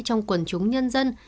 trong quần chúng nhân dân